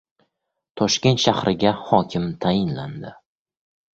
Toshkent shahriga hokim tayinlandi